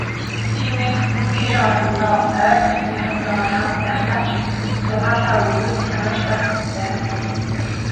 Тиймээс, хүн гэр орондоо ойр дотнынхонтойгоо хамт байхдаа ч сургаалаа үргэлж санаж байх ёстой.